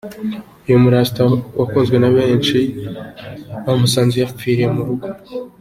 Uyu murasta wakundwaga na benshi bamusanze yapfiriye mu rugo.